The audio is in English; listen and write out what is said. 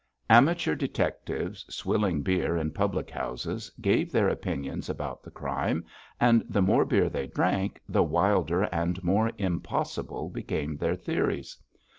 Amateur detectives, swilling beer in public houses, gave their opinions about the crime, and the more beer they drank, the wilder and more impossible became their theories.